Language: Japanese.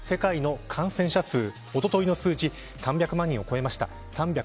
世界の感染者数、おとといの数字３００万人を超えました。